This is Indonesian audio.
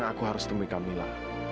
saya tak mengerti ma